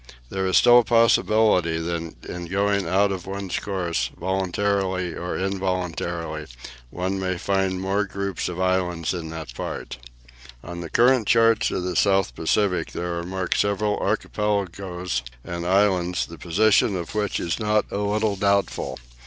There is still a possibility that in going out of one's course, voluntarily or involuntarily, one may find more groups of islands in that part. On the current charts of the South Pacific there are marked several archipelagoes and islands, the position of which is not a little doubtful.